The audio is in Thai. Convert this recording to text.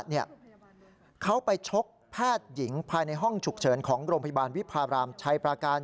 เขาไปชกแพทย์หญิงภายในห้องฉุกเฉินของโรงพยาบาลวิพาบรามชัยปราการ